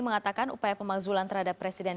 mengatakan upaya pemakzulan terhadap presiden